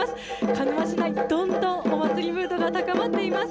鹿沼市内もどんどんお祭りムードが高まっています。